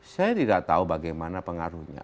saya tidak tahu bagaimana pengaruhnya